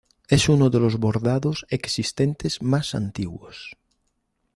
Es uno de los bordados existentes más antiguos.